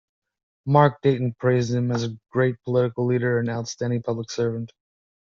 Mark Dayton praised him as a great political leader and an outstanding public servant.